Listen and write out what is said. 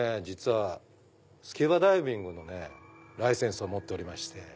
実はスキューバダイビングのライセンスを持っておりまして。